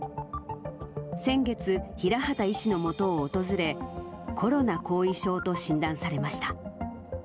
先月、平畑医師の下を訪れ、コロナ後遺症と診断されました。